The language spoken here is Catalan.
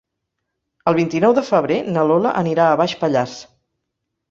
El vint-i-nou de febrer na Lola anirà a Baix Pallars.